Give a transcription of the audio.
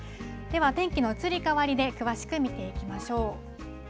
では、天気の移り変わりで詳しく見ていきましょう。